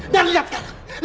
dan lihat sekarang